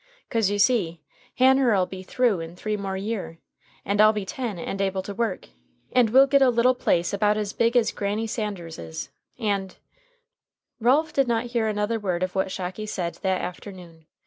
'Cause, you see, Hanner'll be through in three more year, and I'll be ten and able to work, and we'll git a little place about as big as Granny Sanders's, and " Ralph did not hear another word of what Shocky said that afternoon.